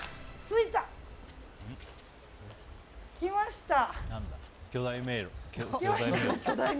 着きました！